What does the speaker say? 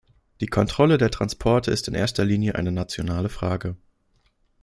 Die Kontrolle der Transporte ist in erster Linie eine nationale Frage.